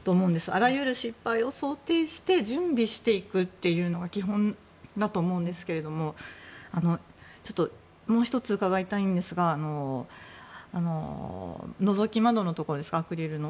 あらゆる失敗を想定して準備していくというのが基本だと思うんですけれどもちょっともう１つ伺いたいんですがのぞき窓のところですかアクリルの。